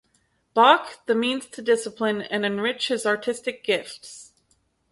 Bach, the means to discipline and enrich his artistic gifts.